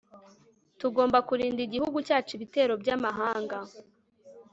tugomba kurinda igihugu cyacu ibitero by'amahanga